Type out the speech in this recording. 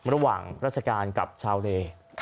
ระหว่างราชการกับชาวเล